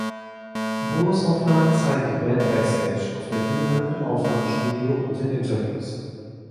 Bonusaufnahmen zeigen die Band Backstage, auf der Bühne, im Aufnahmestudio und in Interviews.